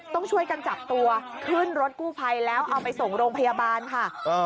ต้องช่วยกันจับตัวขึ้นรถกู้ภัยแล้วเอาไปส่งโรงพยาบาลค่ะ